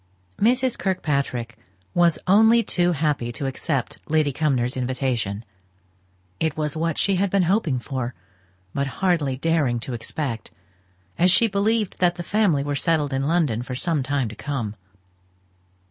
Mrs. Kirkpatrick was only too happy to accept Lady Cumnor's invitation. It was what she had been hoping for, but hardly daring to expect, as she believed that the family were settled in London for some time to come.